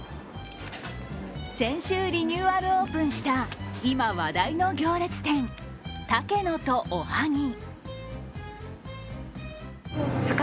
先週、リニューアルオープンした今、話題の行列店、タケノとおはぎ。